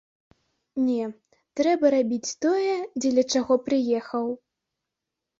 Не, трэба рабіць тое, дзеля чаго прыехаў.